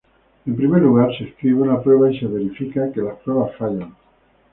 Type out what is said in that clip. En primer lugar, se escribe una prueba y se verifica que las pruebas fallan.